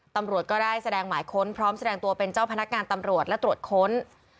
ตำรวจก็ได้แสดงหมายค้นพร้อมแสดงตัวเป็นเจ้าพนักงานตำรวจและตรวจค้น